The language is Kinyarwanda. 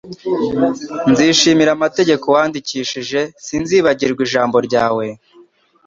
Nzishimira amategeko wandikishije, sinzibagirwa ijambo ryawe.»